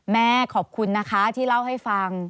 แม่ขอบคุณนะคะที่เล่าให้ฟัง